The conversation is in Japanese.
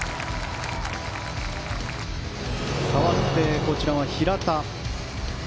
かわってこちらは平田。